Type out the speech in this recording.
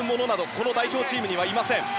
この代表チームにいません。